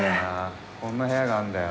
こんな部屋があるんだよ。